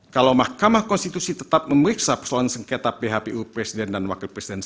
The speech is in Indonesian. kalau mahkamah konstitusi tetap memeriksa persoalan sengketa phpu presiden dan wakil presiden